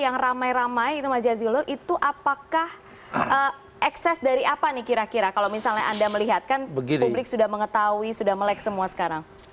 yang ramai ramai itu mas jazilul itu apakah ekses dari apa nih kira kira kalau misalnya anda melihat kan publik sudah mengetahui sudah melek semua sekarang